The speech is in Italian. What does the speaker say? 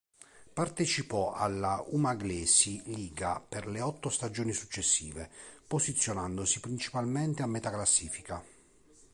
Partecipò alla Umaglesi Liga per le otto stagioni successive, posizionandosi principalmente a metà classifica.